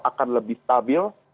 akan lebih stabil